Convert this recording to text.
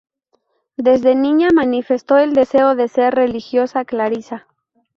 Desde niña manifestó el deseo de ser religiosa clarisa.